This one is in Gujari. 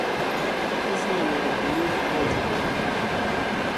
اس نے میر و پوت کوہ چھوڈیو